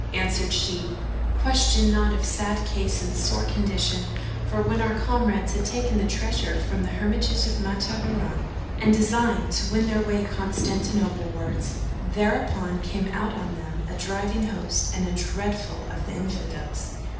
Answered she, "Question not of sad case and sore condition; for when our comrades had taken the treasure from the hermitage of Matruhina, and designed to win their way Constantinople wards, thereupon came out on them a driving host and a dreadful of the Infidels."